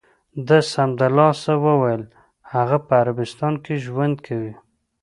ده سمدلاسه و ویل: هغه په عربستان کې ژوند کوي.